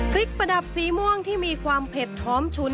ประดับสีม่วงที่มีความเผ็ดหอมชุน